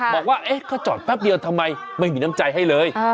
บอกว่าเขาจอดแป๊บเดียวทำไมไม่มีน้ำใจให้เลย